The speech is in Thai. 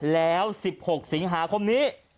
แล้ว๑๖สิงหาคมนี้